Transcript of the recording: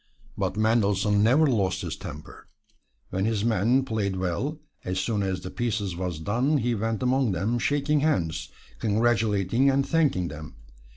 But Mendelssohn never lost his temper. When his men played well, as soon as the piece was done he went among them shaking hands, congratulating and thanking them.